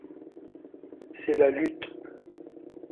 C'est la lutte.